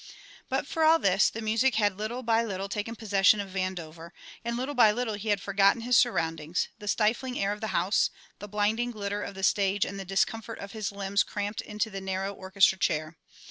But for all this, the music had little by little taken possession of Vandover, and little by little he had forgotten his surroundings, the stifling air of the house, the blinding glitter of the stage and the discomfort of his limbs cramped into the narrow orchestra chair.